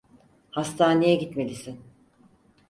Hastaneye gitmelisin.